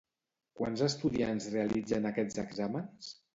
Quants estudiants realitzen aquests exàmens?